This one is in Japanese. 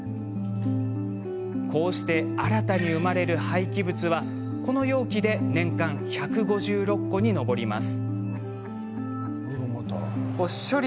こうして新たに生まれる廃棄物はこの容器で年間１５６個に上ります。